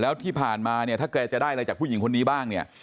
แล้วที่ผ่านมาเนี่ยถ้าแกจะได้อะไรจากผู้หญิงคนนี้บ้างเนี่ย